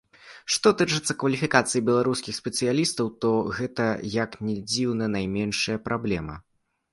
Што тычыцца кваліфікацыі беларускіх спецыялістаў, то гэта, як ні дзіўна, найменшая праблема.